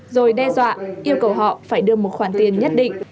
rồi đe dọa yêu cầu họ phải đưa một khoản tiền nhất định